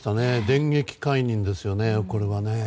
電撃解任ですよね、これは。